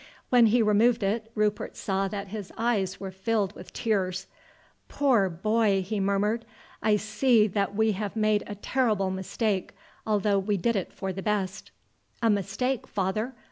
When he removed it Rupert saw that his eyes were filled with tears. "Poor boy!" he murmured, "I see that we have made a terrible mistake, although we did it for the best." "A mistake, father!